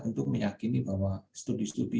untuk meyakini bahwa studi studi